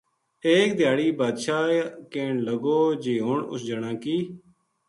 ایک دھیاڑی بادشاہ کہن لگو جی ہن اس جنا کی